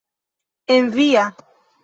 En via!